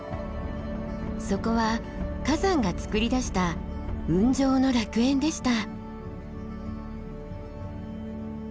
そこは火山がつくり出した雲上の楽園でした。